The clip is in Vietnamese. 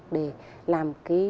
để làm cái